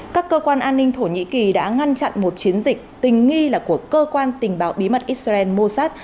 các cơ quan an ninh thổ nhĩ kỳ đã ngăn chặn một chiến dịch tình nghi là của cơ quan tình báo bí mật israel mosat